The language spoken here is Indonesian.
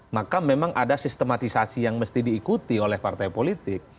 maka memang ada sistematisasi yang mesti diikuti oleh partai politik